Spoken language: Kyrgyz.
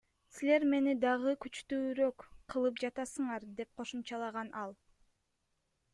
Силер мени дагы күчтүүрөөк кылып жатасыңар, — деп кошумчалаган ал.